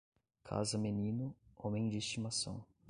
Casa menino, homem de estimação.